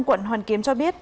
quận hoàn kiếm cho biết